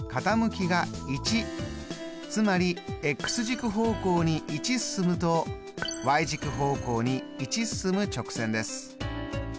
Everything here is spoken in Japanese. つまり軸方向に１進むとｙ軸方向に１進む直線です。